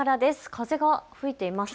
風が吹いていますね。